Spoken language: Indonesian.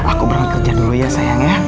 aku berangkat kerja dulu ya sayang ya